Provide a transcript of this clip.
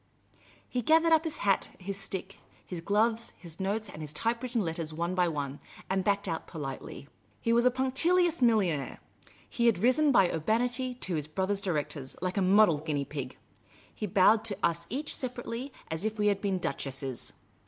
He gathered up his hat, his stick, his gloves, his notes, and his typewritten letters, one by one, and backed out politely. He was a punctilious millionaire. He had risen by urbanity to his brother directors, like a model guinea pig. He bowed to us each separately as if we had been duchesses.